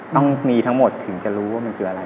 ต้องมีทั้งหมดถึงจะรู้ว่ามันคืออะไร